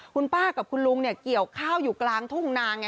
คุณป้ากับคุณลุงเกี่ยวข้าวอยู่กลางทุ่งนาง